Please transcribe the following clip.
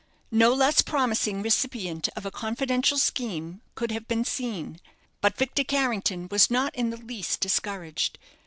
No less promising recipient of a confidential scheme could have been seen: but Victor Carrington was not in the least discouraged.